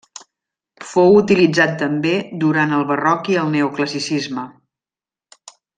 Fou utilitzat també durant el barroc i el neoclassicisme.